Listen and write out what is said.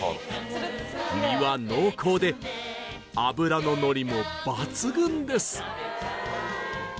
身は濃厚で脂ののりも抜群です！